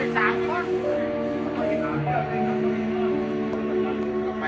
สวัสดีครับ